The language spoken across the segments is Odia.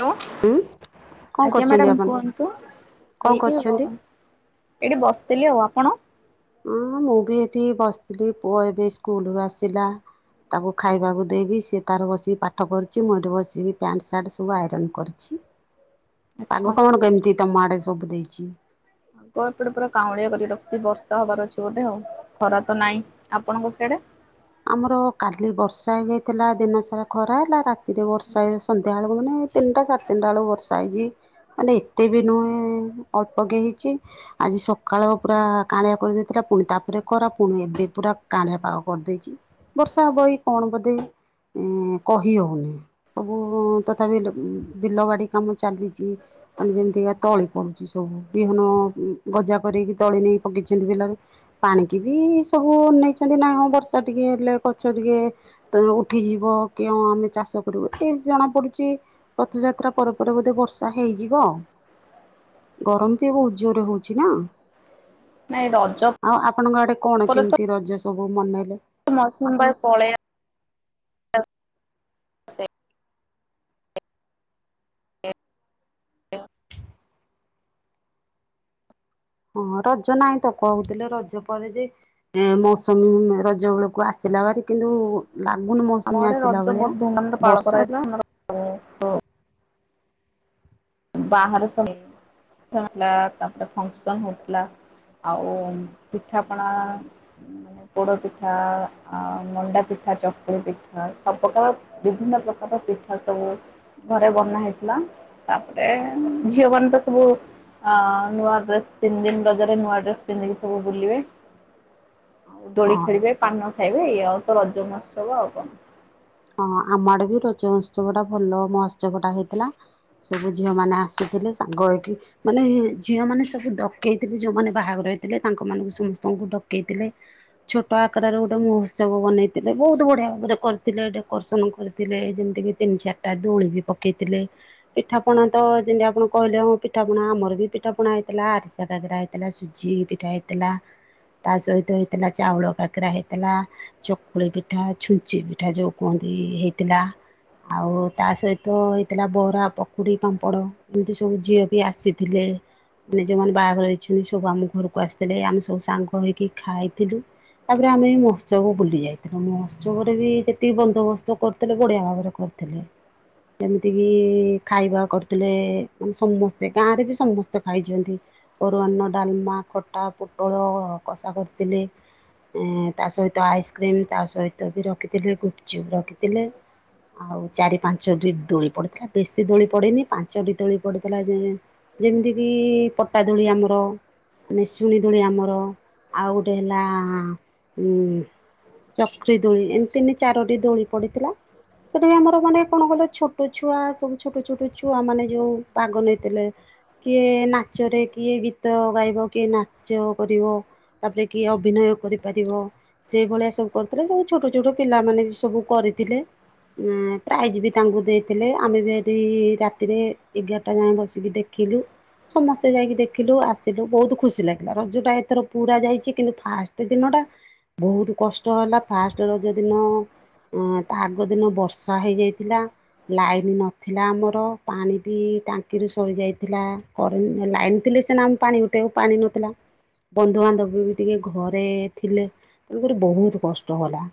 ହ୍ୟାଲୋ। ଉଁ? ଆଜ୍ଞା ମ୍ୟାଡାମ କୁହନ୍ତୁ? କଣ ଏଇଠି ବ କରୁଛନ୍ତି? ଏଇଠି ବସିଥିଲି ଆଉ ଆପଣ? ହୁଁ ମୁଁ ବି ଏଠି ବସିଥିଲି। ପୁଅ ଏବେ ସ୍କୁଲରୁୁ ଆସିଲା। ତାକୁ ଖାଇବାକୁ ଦେଇକି, ସିଏ ତାର ବସିକି ପାଠ କରୁଛି। ମୁଁ ଏଠି ବସିକି ପ୍ୟାଣ୍ଟ ସାର୍ଟ ସବୁ ଆଇରନ୍ କରୁଛି। [inaudible] ଆଚ୍ଛା। ପାଗ କଣ କେମତି ତମ ଆଡେ ସବୁ ଦେଇଛିି? ଆ ଏପଟେ ପୁରା କାଉଁଳିଆ କରି ରଖିଛି। ବର୍ଷା ହବାର ଅଛି ବୋଧେ ଆଉ। ଖରା ତ ନାହିଁ। ଆପଣଙ୍କ ସେଇ? ଆଡ଼େ? ଆମର କାଲି ବର୍ଷା ହେଇଯାଇଥିଲା। ଦିନ ସାରା ଖରା ହେଲା। ରାତି ସେଥିରେ ବର୍ଷା ସନ୍ଧ୍ୟାବେଳକୁ ମାନେ ତିନଟା ସାଢ଼େ ତିନଟା ବେଳକୁ ବର୍ଷା ହେଇଛି। ମାନେ ଏତେ ବି ନୁହେଁ। ଅଳ୍ପ କି ହେଇଛି। ଆଜି ସକାଳ ପୁରା କାଳିଆ କରିଦେଇଥିଲା। ପୁଣି ତାପରେ ଖରା। ପୁଣି ଏବେ ପୁରା କାଳିଆ ପାଗ କରିଦେଇଚି। ବର୍ଷା ହବ କି କଣ ବୋଧେ? ଉଁ କହି ହୋଉନି ସବୁ ତଥାପି ବିଲ ବାଡି କାମ ଚାଲିଚି। ମାନେ ଯେମିତିକା ତଳି ପଡୁଛି ସବୁ। ବିହନ ଗଜା କରିକି ତଳି ନେଇକ ପକେଇଛନ୍ତି ବିଲରେ। ପାଣିକି ବି ସବୁ ଅନେଇଛନ୍ତି ନା ହଁ ବର୍ଷା ଟିକେ ହେଲେ ଗଛ ଟିକେ ତ ଉଠିଯିବ କି ଆମେ ଚାଷ କରିବୁ। ଏ ଜଣା ପଡୁଛି ରଥଯାତ୍ରା ପରେ ପରେ ବୋଧେ ବର୍ଷା ହେଇଯିବ। [inaudible] ଗରମ ବି ବହୁତ ଜୋରରେ ହଉଛି ନା? ନାଇଁ ରଜ ଆଉ ଆପଣଙ୍କ ଆଡେ କଣ ପରେ ତ କେମିତି ରଜ ସବୁ ମନେଇଲେ? ମୌସୁମୀ ବାୟୁ ପଳେଇ ଆ ହଁ ରଜ ନାହିଁ ତ କହୁଥିଲେ ରଜ ପରେ ଯେ ଏ ମୌସୁମୀ ରଜ ବେଳକୁ ଆସିଲାଭାରି କିନ୍ତୁ ଆମ ଲାଗୁନିଭମୌସୁମୀ ଆଡେ ଆସିଲା ରଜ ବହୁତ ଭଳିଆ ଧୁମଧାମରେ ପାଳନ ବର୍ଷା କରାଯାଇଥିଲା ଆମର ବାହର [unintelligible] ତାପରେ ଫଙ୍କସନ ହଉଥିଲା। ଆଉ ପିଠା ପଣା ମାନେ ପୋଡ ପିଠା ଆ ମଣ୍ଡା ପିଠା। ପିଠା ଚକୁଳି ପିଠା ସବୁପ୍ରକାର ବିଭିନ୍ନ ପ୍ରକାରର ପିଠା ସବୁ ଘରେ ବନା ହେଇଥିଲା ତାପରେ ଝିଅ ମାନ ତ ସବୁ ହଁ ନୂଆ ଡ୍ରେସ ତିନି ଦିନ ରଜରେ ନୂଆ ଡ୍ରେସ ପିନ୍ଧିକି ସବୁ ବୁଲିବେ। ଆଉ ଦୋଳି ହଁ ଖେଳିବେ ପାନ ଖାଇବେ ଇ ଆଉ ତ ରଜ ମାସ ହବ ଆଉ କଣ। ହଁ ଆମ ଆଡେ ବି ରଜ ମହୋତ୍ସବ ଟା ଭଲ ମହୋତ୍ସବଟା ହେଇଥିଲା। ସବୁ ଝିଅ ମାନେ ଆସିଥିଲେ ସାଙ୍ଗ ହେଇକି ମାନେ ଝିଅ ମାନେ ସବୁ ଡକେଇଥିଲେ ଯୋଉମାନେ ବାହାଘର ରହିଥିଲେ ତାଙ୍କ ମାନଙ୍କୁ ସମସ୍ତଙ୍କୁ ଡକେଇଥିଲେ ଛୋଟ ଆକାରରେ ଗୋଟେ ମହୋତ୍ସବ ବନେଇଥିଲେ ବହୁତ ବଢିଆ ଭାବରେ କରିଥିଲେ ଏଇଟାକୁ। କର୍ଷଣ କରିଥିଲେ ଯେମିତି କି ତିନି ଚାରିଟା ଦୋଳି ବି ପକେଇଥିଲେ ପିଠା ପଣା ତ ଯେମିତି ଆପଣ କହିଲେ ହଁ ପିଠା ପଣା ଆମର ବି ପିଠା ପଣା ହେଇଥିଲା ଆରିସା କାକରା ହେଇଥିଲା ସୁଜି ପିଠା ହେଇଥିଲା ତା ସହିତ ହେଇଥିଲା ଚାଉଳ କାକରା ହେଇଥିଲା ଚକୁଳି ପିଠା ଛୁଞ୍ଚି ପିଠା ଯୋଉ କୁହନ୍ତି ହେଇଥିଲା ଆଉ ତା ସହିତ ହେଇଥିଲା ବରା ପକୁଡି ପାମ୍ପଡ ଏମିତି ସବୁ ଝିଅ ବି ଆସିଥିଲେ। ମାନେ ଯୋଉମାନେ ବାହାଘର ହେଛନ୍ତି ସବୁ ଆମ ଘରକୁ ଆସିଥିଲେ ଆମେ ସବୁ ସାଙ୍ଗ ହେଇକି ଖାଇଥିଲୁ ତାପରେ ଆମେ ମହୋତ୍ସବ ବୁଲି ଯାଇଥିଲୁ ମହୋତ୍ସବ ରେ ବି ଯେ ଠି ବନ୍ଦୋବସ୍ତ କରିଥିଲେ ବଢିଆ ଭାବରେ କରିଥିଲେ। ଯେମିତିକି ଖାଇବା କରିଥିଲେ ମାନେ ସମସ୍ତେ ଗାଁରେ ବି ସମସ୍ତେ ଖାଇଛନ୍ତି। ଅରୁଆନ ଡାଲମା ଖଟା ପୋଟଳ କଷା କରିଥିଲେ। ଏଁ ତା ସହିତ ଆଇସ୍କ୍ରିମ ତା ସହିତ ବି ରଖିଥିଲେ ଗୁପଚୁପ୍ ରଖିଥିଲେ ଆଉ ଚାରି ପାଞ୍ଚ ଟି ଦୋଳି ପଡିଥିଲା ବେଶୀ ଦୋଳି ପଡିନି ପାଞ୍ଚ ଟି ଦୋଳି ପଡିଥିଲା ଯେ ଯେମିତି କିି ପଟାଦୋଳି ଆମର ନିଶୁଣି ଦୋଳି ଆମର ଆଉ ଗୋଟେ ହେଲା ଚକ୍ରି ଦୋଳି ଏମି ତିନି ଚାରୋଟି ଦୋଳି ପଡିଥିଲା ସେଠିବି ଆମର ମାନେ କଣ କହିଲ ଛୋଟ ଛୁଆ ସବୁ ଛୋଟ ଛୋଟ ଛୁଆ ମାନେ ଯୋଉ ଭାଗ ନେଇଥିଲେ କିଏ ନାଚରେ କିଏ ଗୀତ ଗାଇବ କିଏ ନାଚ କରିବ ତାପରେ କିଏ ଅଭିନୟ କରିପାରିବ ସେଇ ଭଳିଆ ସବୁ କରୁଥିଲେ ସବୁ ଛୋଟ ଛୋଟ ପିଲାମାନେ ବି ସବୁ କରିଥିଲେ ମଁ ପ୍ରାଇଜ ବି ତାଙ୍କୁ ଦେଇଥିଲେ ଆମେ ବି ଏଠି ରାତିରେ ଏଗାରଟା ଯାଏଁ ବସିକି ଦେଖ ଖିଲୁ ସମସ୍ତେ ଯାଇକି ଦେଖିଲୁ ଆସିଲୁ ବହୁତ ଖୁସି ଲାଗିଲା ରଜ ଟା ଏଥର ପୁରା ଯାଇଚି କିନ୍ତୁ ଫାଷ୍ଟ ଦିନ ଟା ବହୁତ କଷ୍ଟ ହେଲା ଫାଷ୍ଟ ରଜ ଦିନ ଅଁ ତା ଆଗ ଦିନ ବର୍ଷା ହେଇଯାଇଥିଲା ଲାଇନ ନଥିଲା ଆମର ପାଣି ବି ଟାଙ୍କିରୁ ସରିଯାଇଥିଲା କରେଣ୍ଟ ଲାଇନ ଥିଲା ସିନା ଆମେ ପାଣି ଉଠେବୁ ପାଣି ନଥିଲା ବନ୍ଧୁବାନ୍ଧବ ବି ଟିକେ ଘରେ ଥିଲେ ତେଣୁକରି ବହୁତ କଷ୍ଟ ହେଲା।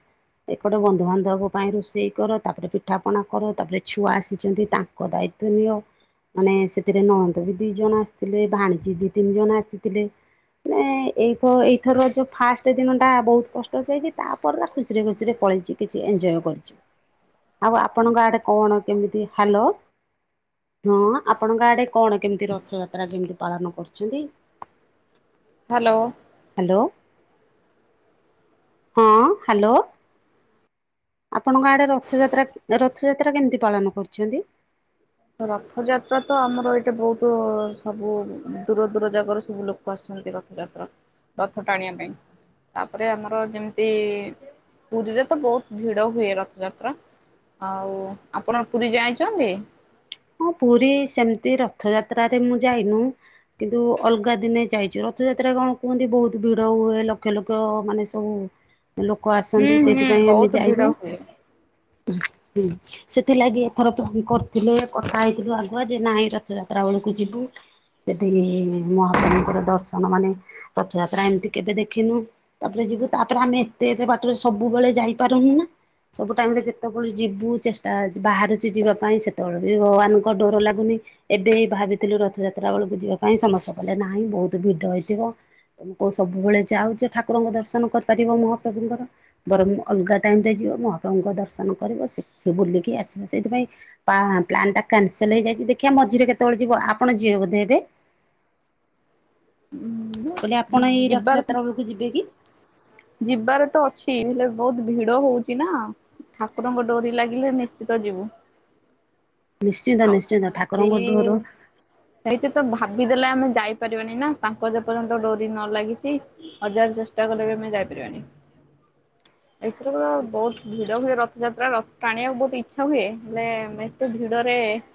ଏପଟେ ବନ୍ଧୁବାନ୍ଧବ ପାଇଁ ରୋଷେଇ କର ତାପରେ ପିଠା ପଣା କର ତାପରେ ଛୁଆ ଆସିଛନ୍ତି ତାଙ୍କ ଦାୟ ତ୍ବ ନିଅ ମାନେ ସେଥିରେ ନହନ୍ତ ବି ଦି ଜଣ ଆସିଥିଲେ ଭାଣୀଜୀ ଦି ତିନି ଜଣ ଆସିଥିଲେ। ମେ ଏଇ ଏଇଥର ଯୋଉ ଫାଷ୍ଟ୍ ଦିନ ଟା ବହୁତ କଷ୍ଟ ଯାଇକି ତାପରେ ତା ଖୁସିରେ। ରେ ପଳେଇଛି କିଛି ଏନ୍ଜୟ କରିଛି। ଆଉ ଆପଣଙ୍କ ଆଡ଼େ କଣ କେମିତି ହାଲୋ। ହଁ ଆପଣଙ୍କ ଆଡେ କଣ କେମିତି ରଥଯାତ୍ରା କେମିତି ପାଳନ କରୁଛନ୍ତି। ହାଲୋ। ହ୍ୟାଲୋ ହଁ ହାଲୋ। ଆପଣଙ୍କ ଆଡ଼େ ରଥଯାତ୍ରା ରଥଯାତ୍ରା କେମିତି ପାଳନ କରୁଛନ୍ତି। ରଥଯାତ୍ରା ତ ଆମର ଏଇଠେ ବହୁତ ସବୁ ଦୂର ଦୂର ଜାଗାରୁ ସବୁ ଲୋକ ଆସ ରଥଯାତ୍ରା ରଥ ଟାଣିବା ପାଇଁ ତାପରେ ଆମର ଯେମିତି ପୁରୀରେ ତ ବହୁତ ଭିଡ ହୁଏ ରଥଯାତ୍ରା ହଉ ଆପଣ ପୁରୀ ଯାଇଛନ୍ତି ହଁ ପୁରୀ ସେମିତି ରଥଯାତ୍ରରେ ମୁଁ ଯାଇନୁ କିନ୍ତୁ ଅଲଗା ଦିନେ ଯାଇଛିୁ ରଥଯାତ୍ର ସେଥିରେ କଣ କୁହନ୍ତି ବହୁତ ଭିଡ ହୁଏ ଲକ୍ଷ ଲକ୍ଷ ମାନେ ସବୁ ଲୋକ ହୁଁ ଆସନ୍ତି ହୁଁ ସେଇଥିପାଇଁ ଆମେ ବହୁତ ଭିଡ ଯାଇନୁ ହୁଏ। ହୁଁ ସେଥିଲାଗି ଏଥର କରିଥିଲେ କଥା ହେଇଥିଲୁ ଆଗୁଆ ଯେ ନାାଇ ଏ ରଥଯାତ୍ରା ବେଳକୁ ଯିବୁ ସେଠିକି ମହାପ୍ରଭୁଙ୍କର ଦର୍ଶନ ମାନେ ରଥଯାତ୍ରା ଏମିତି କେବେ ଦେଖିନୁ ତାପରେ ଯୁ ତାପରେ ଆମେ ଏତେ ଏତେ ବାଟରେ ସବୁବେଳେ ଯାଇପାରୁନୁ ନା ସବୁ ଟାଇମ ରେ ଯେତେବେଳେ ଯିବୁ ଚେଷ୍ଟା ବାହାରୁଛି ଯିବା ପାଇଁ ସେତେବେଳେ ଭଗବାନଙ୍କ ଡୋର ଲାଗୁନି ଏବେ ଭାବିଥିଲୁ ରଥଯାତ୍ରା ବେଳକୁ ଯିବା ପାଇଁ ସମସ୍ତେ ଗଲେ ନାହିଁ ବହୁତ ଭିଡ ହେଇଥିବ ତମ କୋଉ ସବୁବେଳେ ଯାଉଛ ଠାକୁରଙ୍କ ଦର୍ଶନ କରିପାରିବ ମହାପ୍ରଭୁଙ୍କର ବର ଅଲଗା ଟାଇମ ରେ ଯିବ ମହାପ୍ରଭୁଙ୍କ ଦର୍ଶନ କରିବ ସେଠି ବୁଲିକି ଆସିବ ସେଇଥିପାଇଁ ପ୍ଲାନ୍ ଟା କ୍ୟାନସଲ ହେଇଯାଇଛି ଦେଖିବା ମଝିରେ କେତେବେଳେ ଯିବ ଆପଣ ଯିବେ ବୋଧେ ହେବେ ହୁଁ କହିଲେ ଆପଣ ଏଇ ରଥଯାତ୍ରା ବେଳକୁ ଯିବେ କି ଯିବାରେ ତ ଅଛି ହେଲେ ବହୁତ୍ ଭିଡ଼ ହଉଛି ନା ଠାକୁରଙ୍କ ଡୋରି ଲାଗିଲେ ନିଶ୍ଚିତ ଯିବୁ ନିଶ୍ଚିନ୍ତ ଆଉ ନିଶ୍ଚିନ୍ତ ଶନ୍ତି ଠାକୁରଙ୍କ ଡୋର ସେଇତ ତ ଭାବି ବି ଦେଲେ ଆମେ ଯାଇପାରିବାନି ନା ତାଙ୍କ ଯେ ପର୍ଯ୍ୟନ୍ତ ଡୋରି ନ ଲାଗିଛି ହଜାର ଚେଷ୍ଟା କଲେ ବି ଆମେ ଯାଇପାରିବାନି ଏଥରକ ବହୁତ ଭିଡ଼ ହୁଏ ରଥଯାତ୍ରା ରଥ ଟାଣିବାକୁ ବହୁତ ଇଚ୍ଛା ହୁଏ ହେଲେ ଏତେ ଭିଡ଼ ରେ ସେ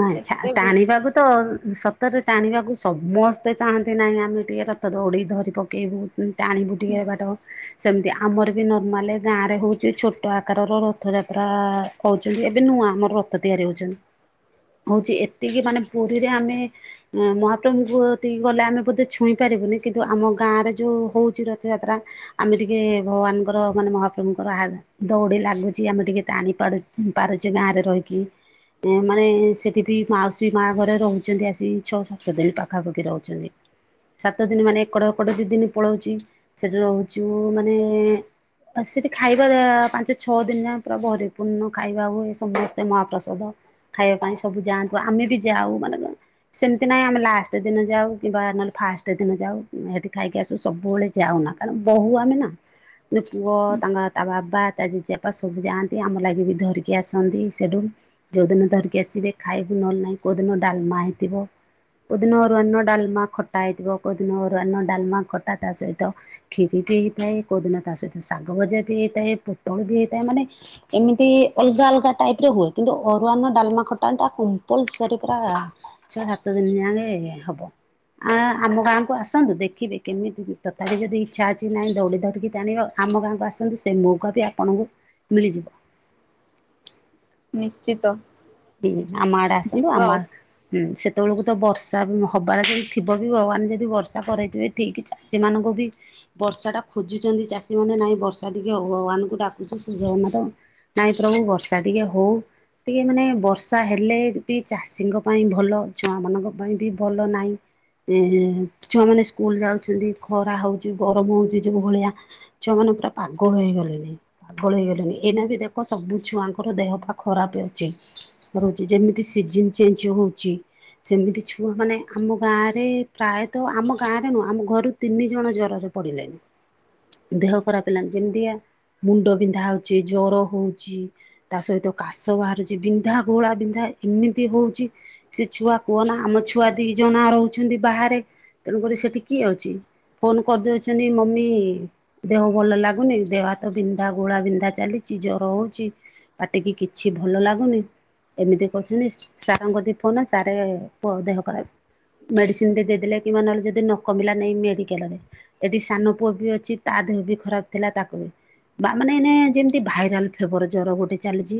ନାଇଁ ଟାଣିବାକୁ ତ ରତରେ ଟାଣିବାକୁ ସମସ୍ତେ ଚାହାନ୍ତି ନାହିଁ ଆମେ ଟିକେ ରଥ ଦୌଡ଼ି ଧରି ପକାଇବୁ ଟଣି ଫୁଟିକି ବାଟ ସେମିତି ଆମର ବି ନର୍ମାଲି ଗାଁରେ ହେଉଛି ଛୋଟ ଆକାରର ରଥଯାତ୍ରା ହେଉଛନ୍ତି ଏବେ ଆମର ରଥ ତିଆରି ହଉଛନ୍ତି ହଉଛି ଏତିକି ମାନେ ପୁରୀରେ ଆମେ ମହାପ୍ରଭୁଙ୍କୁ ଏତିକି ଗଲେ ଆମେ ବୋଧେ ଛୁଇଁ ପାର ବୁନି କିନ୍ତୁ ଆମ ଗାଁରେ ଯୋଉ ହଉଛି ରଥଯାତ୍ରା ଆମେ ଟିକେ ଭଗବାନଙ୍କର ମାନେ ମହାପ୍ରଭୁଙ୍କର ଦୌଡ଼ି ଲାଗୁଛି ଆମେ ଟିକେ ଟାଣି ପାରୁ ପାରୁଛୁ ଗାଁ ରେ ରହିକି ମାନେ ସେଠି ବି ମାଉସୀ ମା ଘରେ ରହୁଛନ୍ତି ଆସିିକି ଛଅ ସାତ ଦିନ ପାଖାପାଖି ରହୁଛନ୍ତି ସାତ ଦିନ ମାନେ ଏକଟ ଏକଟ ଦି ଦିନ ପଳାଉଛି ସେଠି ରହୁଛୁ ମାନେ ଆ ସେଠି ଖାଇବା ପାଞ୍ଚ ଛଅ ଦିନ ଯା ପୁରା ଭରିପୂର୍ଣ୍ଣ ଖାଇବା ହୁଏ ସମସ୍ତେ ମହାପ୍ରସାଦ ଖାଇବା ପାଇଁ ସବୁ ଯାଆନ୍ତୁ ଆମେ ବି ଯାଉ ମାନେ ସେମିତି ନହିଁ ଆମେ ଲାଷ୍ଟ ଦିନ ଯାଉ କିମ୍ବା ନହେଲେ ଫାଷ୍ଟ ଦିନ ଯାଉତି ଖାଇକି ଆସୁ ସବୁବେଳେ ଯାଉନା କାରଣ ବୋହୁ ଆମେ ନା ପୁଅ ତାଙ୍କ ତା ବାବା ତା ଜେଜେବାପା ସବୁ ଯାଆନ୍ତି ଆମ ଲାଗି ବି ଧରିକି ଆସନ୍ତି ସେଠୁ ଯୋଉଦିନ ଧରିକି ଆସିବେ ଖାଇବି ନହେଲେ ନାହିଁ କୋଉଦିନ ଡାଲମା ହେଇଥିବ କେଉଦିନ ଅରୁଆନ୍ନ ଡାଲମା ଖଟା ହେଇଥିବ କୋଉଦିନ ଅରୁଆନ ଡାଲମା ଖଟା ତା ସହିତ କିର ହେଇଥାଏ କୋଉଦିନ ତା ସହିତ ଶାଗ ଭଜା ବି ହେଇଥାଏ ପୋଟଳ ବି ହେଇଥାଏ ମାନେ ଏମିତି ଅଲଗା ଅଲଗା ଟାଇପ ରେ ହୁଏ କିନ୍ତୁ ଆରୁଆରନ ଡାଲମା ଖଟା ଟା କୁମ୍ପଲସରି ପୁରା ଛ ସାତ ଦିନ ଯାନଙ୍କେ ହବ। ଆ ଆମ ଗାଁକୁ ଆସନ୍ତୁ ଦେଖିବେ କେମିତି ତଥାପି ଯଦି ଇଚ୍ଛା ଅଛି ନାହିଁ ଦଉଡି ଧରିକି ଟାଣିବ ଆମ ଗାଁକୁ ଆସନ୍ତୁ ସେ ମଉକା ବି ଆପଣଙ୍କୁ ମିଳିଯିବ। ନିଶ୍ଚିତ। ହୁଁ ଆମ ଆଡେ ଆସନ୍ତୁ ଯିବୁ ଆମ ଆଉ। ହୁଁ ସେତେବେଳକୁ। ବର୍ଷା ହବାରେ ଯଦି ଥିବ ବି ଭଗବାନ ଯଦି ବର୍ଷା କରଇଥିବେ ଠିକ ଚାଷୀ ମାନଙ୍କୁ ବି ବର୍ଷାଟା ଖୋଜୁଛନ୍ତି ଚାଷୀମାନେ ନାହିଁ ବର୍ଷା ଟିକେ ଭଗବାନ ଙ୍କୁ ଡାକୁଚୁ ନାଇ ଶ୍ରି ଜଗନ୍ନାଥ। ନାଇଁ ପ୍ରଭୁ ବର୍ଷା ଟିକେ ହଉ ଟିକେ ମାନେ। ବର୍ଷା ହେଲେ ବି ଚାଷୀଙ୍କ ପାଇଁ ଭଲ ଛୁଆ ମାନଙ୍କ ପାଇଁ ବି ଭଲ ନାହିଁ। ଏଁ-ହେଁ-ହେଁ ଛୁଆମାନୋନ ସ୍କୁଲ ଯାଉଛନ୍ତି ଖରା ହଉଛି ଗରମ ହଉଛି ଯେଉ ଭଳିଆ ଛୁଆମାନେ। ପୁରା ପାଗଳ ହେଇଗଲେଣି। ପାଗଲା ହେଇଗଲେଣି ଏଇନା ବି ଦେଖ ସବୁ ଛୁଆଙ୍କର ଦେହ ପା ଖରାପ ଅଛି। ରହୁଛି ଯେମିତି ସିଜନ ଚେଞ୍ଜ ହଉଛି। ସେମିତି ଛୁଆ ମାନେ ଆମ ଗାଁ ରେ ପ୍ରାୟତଃ ଆମ ଗାଁରେ ନୁହଁ ଆମ ଘରୁ ତିନି ଜଣ ଜରରେ। ପଡିଲେଣି ଦେହ ଖରାପ ହେଲାଣି ଯେମିତିଆ। ମୁଣ୍ଡ ବିନ୍ଧା ହଉଛି ଜର ହଉଛିି ତା ସହିତ କାଶ ବାହାରୁଛି ବିନ ବିନ୍ଧା ଘୋଳା ବିନ୍ଧା ଏମିତି ହଉଛି ସେ ଛୁଆ କୁହନା ଆମ ଛୁଆ ଦି ଜଣା ରହୁଛନ୍ତି ବାହାରେ। ତେଣୁକରି ସେଠି କିଏ ଅଛି? ଫୋନ କରିଦେଉ ଛନ୍ତି ମମି ଦେହ ଭଲ ଲାଗୁନି ଦେହ ହାତ ବିନ୍ଧା ଗୋଳା ବିନ୍ଧା ଚାଲିଛି। ଜର ହଉଛି ପାଟିକି କିଛି ଭଲ ଲାଗୁନି। ଏମିତି କହୁଛନ୍ତି ସ ସାରଙ୍କ କତିକି ଫୋନ ଆସେ ସାରେ ପୁଅ ଦେହ ଖରାପ। ମେଡିସିନ ଟେ ଦେଇଦେଲେ କିମ୍ୱା ନହେଲେ ଯଦି ନ କମିଲା ନେଇ ମେଡିକାଲ ରେ ଏଠି ସାନ ପୁଅ ବି ଅଛି ତା ଦେହ ବି ଖରାପ ଥିଲା ତାକୁ ବା ମା ମାନେ ନେ ଯେମତି ଭାଇରାଲ ଫେବର ଜର ଗୋଟେ ଚାଲିଛି।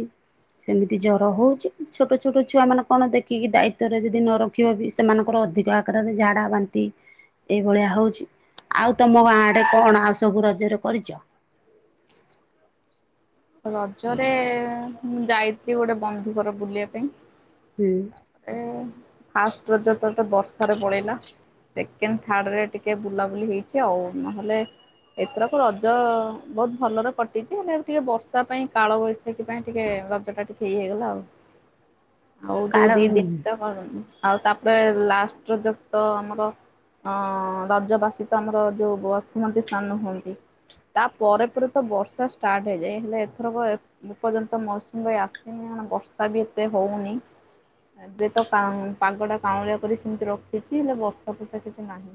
ସେମିତି ଯ ରହୁଚି ଛୋଟ ଛୋଟ ଛୁଆ ମାନେ କଣ ଦେଖିକି ଦାୟିତ୍ୱ ରେ ଯଦି ନ ରଖିବ ବି ସେମାନଙ୍କର ଅଧିକ ଆକାରରେ ଝାଡା ବାନ୍ତି ଏଇଭଳିଆ ହଉଚି ଆଉ ତମ ଗାଁ ଆଡେ କଣ ଆଉ ସବୁ ରଜରେ କରିଚ? ରଜରେ ମୁଁ ଯାଇଥିଲି ଗୋଟେ ବନ୍ଧୁ ଘର ବୁଲିବା ପାଇଁ। ହୁଁ ତାପରେ ଫାଷ୍ଟ ରଜ ଟା ତ ବର୍ଷାରେ ପଳେଇିଲା। ସେକେଣ୍ଡ ଥାର୍ଡ ରେ ଟିକେ ବୁଲାବୁଲି ହେଇଚି ଆଉ ନହେଲେ ଏଥରକୁ ରଜ ବହୁତ ଭଲରେ କଟିଚି। ହେଲେ ଟିକେ ବର୍ଷା ତ ପାଇଁ କାଳ ବୈଶାଖୀ ପାଇଁ ଟିକେ ରଜ ଟା ଟିକ ଇଏ ହେଇଗଲା ଆଉ। ଆଉ ଯୋଉ କାଳ ଦି ଦିନି କରନି ଆଉ ତାପରେ ଲାଷ୍ଟ ରଜ ତ ଆମର ଅଁ ରାଜବାସୀ ତ ଆମର ଯୋଉ ବସୁମତୀ ସ୍ନାନ ହୁଅନ୍ତି। ତା ପରେ ପରେ ତ ବର୍ଷା ଷ୍ଟାର୍ଟ ହେଇଯାଏ ହେଲେ ଏଥରକ ଏ ପର୍ଯ୍ୟନ୍ତ ମୌସୁମୀବାୟୁ ଆସେନି କଣ ବର୍ଷା ବି ଏତେ ହଉନି। ଏବେ ତ ପା ପାଗ ଟା କାଉଁଳିଆ କରି ସେମିତି ରଖିଚି ହେଲେ ବର୍ଷା ଫଷା କିଛି ନାହିଁ।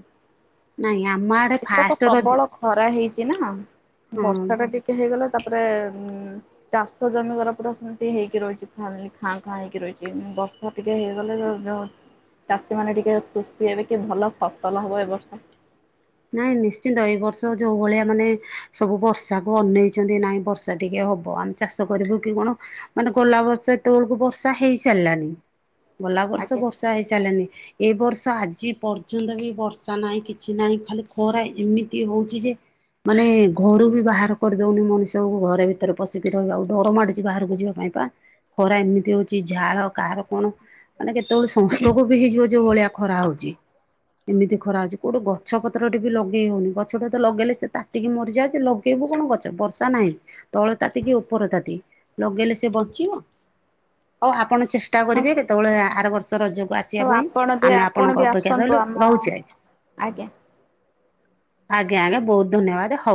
ନାଇଁ ଆମ ଆଡେ ଏଥର କ ଫାଷ୍ଟ ରଜ ପ୍ରବଳ ଖରା ହେଇଚି। କିଏ ନା ହଁ ବର୍ଷା ଟା ଟିକେ ହେଇଗଲେ ତାପରେ ଉଁ ଚାଷ ଜମିଗୁରା ପୁରା ସେମିତି ହେଇକି ରହିଚି ଖାଲି ଖାଁ ଖାଁ ହେଇକି ରହିଚି ଉଁ ବର୍ଷା ଟିକେ ହେଇଗଲେ ଚାଷୀ ମାନେ ଟିକେ ଖୁସି ହେବେ କି ଭଲ ଫସଲ ହବ ଏ ବର୍ଷ। ନାଇଁ ନିଶ୍ଚିତ ଏଇ ବର୍ଷ ଯୋଉ ଭଳିଆ ମାନେ ସବୁ ବର୍ଷାକୁ ଅନେଇଚନ୍ତି ନାଇଁ ବର୍ଷା ଟିକେ ହବ। ଆମେ ଚାଷ କରିବୁ କି କଣ ମାନେ ଗଲା ବର୍ଷ ଏତେ ବଳକୁ ବର୍ଷା ହେଇସାରିଲାଣି। ଗଲା ବର୍ଷ ଆଜ୍ଞା। ବର୍ଷା ହେଇସାରିଲାଣିି ଏ ବର୍ଷ ଆଜି ପର୍ଯ୍ୟନ୍ତ ବି ବର୍ଷା ନାହିଁ କିଛି ନାହିଁ। ଖାଲି ଖରା ଏମିତି ହୋଉଚି ଯେ ମାନେ ଘରୁ ବି ବାହାର କରିଦଉନି ମଣିଷକୁ ଘରେ ଭିତରେ ପଶିକି ରହିବା ଆଉ ଡର ମାଡୁଚି ବାହାରକୁ ଯିବା ପାଇଁ ପା। ଖରା ଏମିତି ହଉଚି ଝାଳ କାହାର କଣ ମାନେ କେତେବେଳେ ସଂଷ୍ଟ୍ରୋକ ବି ହେଇଯିବ ଯୋଉ ଭଳିଆ ଖରା ହଉଚି। ଏମିତି ଖରା ହଉଚି କୋଉଠି ଗ ଗଛ ପତ୍ର ଟେ ବି ଲଗେଇ ହଉନି। ଗଛଟା ତ ଲଗେଇଲେ ସେ ତାତିକି ମରିଯାଉ ଯେ ଲଗେଇବୁ କଣ ଗଛ ବର୍ଷା ନାହିଁ। ତଳ ତାତି କି ଉପର ତାତି ଲଗେଇଲେ ସେ ବଞ୍ଚିବ? ହଉ ଆପଣ ଚେଷ୍ଟା ହଉ କରିବେ କେତେବେଳେ ଆର ବର୍ଷ ରଜକୁ ଆସିବା ହଉ ପାଇଁ। ଆପଣ ବି ଆମେ ଆପଣ ଆପଣଙ୍କ ବି ଅପେକ୍ଷ ଆସନ୍ତୁ କଲୁ ଆମ ରହୁଚି ଆଜ୍ଞା। ଆଜ୍ଞା। ଆଜ୍ଞା ଆଜ୍ଞା ବୋହୁତ ଧନ୍ୟବାଦ ହୋଉ।